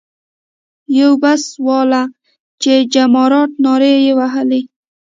یو بس والا چې جمارات نارې یې وهلې.